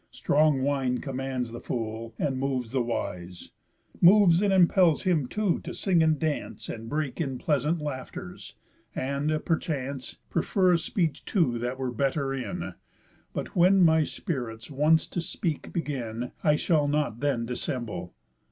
Strong wine commands the fool and moves the wise, Moves and impels him too to sing and dance, And break in pleasant laughters, and, perchance, Prefer a speech too that were better in. But when my spirits once to speak begin, I shall not then dissemble.